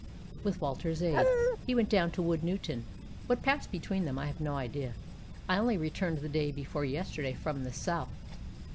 "With Walter's aid. He went down to Woodnewton. What passed between them I have no idea. I only returned the day before yesterday from the South.